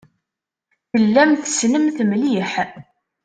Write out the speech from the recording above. Tellam tessnem-t mliḥ?